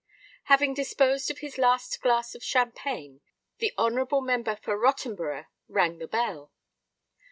Having disposed of his last glass of champagne, the honourable member for Rottenborough rang the bell.